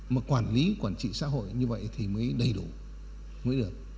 mà quản lý quản trị xã hội như vậy thì mới đầy đủ mới được